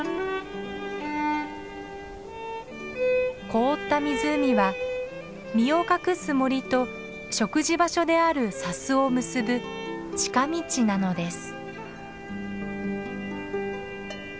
凍った湖は身を隠す森と食事場所である砂州を結ぶ近道なのです。